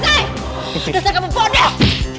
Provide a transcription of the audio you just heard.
dasar kamu bodoh